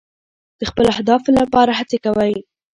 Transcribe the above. د خپلو اهدافو لپاره هڅې کوئ.